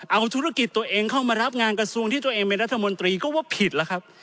เอาธุรกิจตัวเองเข้ามารับงานกระทรวงที่ตัวเองเป็นรัฐมนตรีก็ว่าผิดแล้วครับ